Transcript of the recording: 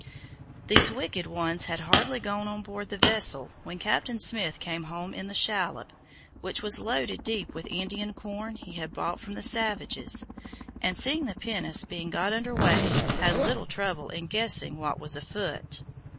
These wicked ones had hardly gone on board the vessel when Captain Smith came home in the shallop, which was loaded deep with Indian corn he had bought from the savages, and, seeing the pinnace being got under way, had little trouble in guessing what was afoot.